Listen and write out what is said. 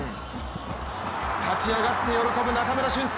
立ち上がって喜ぶ中村俊輔！